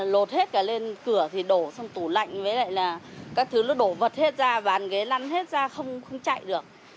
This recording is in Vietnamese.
lột hết cả lên cửa thì đổ xong tủ lạnh với lại là các thứ nó đổ vật hết ra và bàn ghế lăn hết ra không chạy được